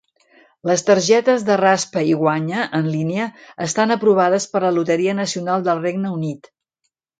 Les targetes de raspa i guanya en línia estan aprovades per la Loteria Nacional del Regne Unit.